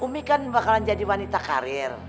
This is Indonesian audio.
umi kan bakalan jadi wanita karier